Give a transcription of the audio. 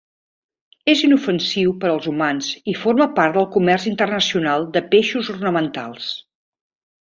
És inofensiu per als humans i forma part del comerç internacional de peixos ornamentals.